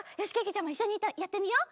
ちゃまいっしょにやってみよう。